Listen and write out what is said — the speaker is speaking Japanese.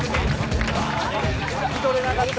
聞き取れなかった。